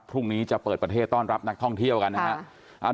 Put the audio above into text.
พรุ่งนี้จะเปิดประเทศต้อนรับนักท่องเที่ยวกันนะครับ